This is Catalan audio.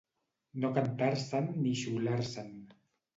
No cantar-se'n ni xiular-se'n.